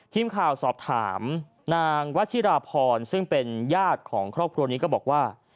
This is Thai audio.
ทีมข่าวสอบถามนางวัชิราพรซึ่งเป็นญาติของครอบครัวนี้ก็บอกว่า